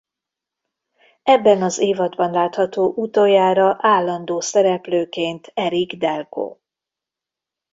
Ebben az évadban látható utoljára állandó szereplőként Eric Delko.